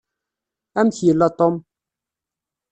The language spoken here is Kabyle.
Amek yella Tom?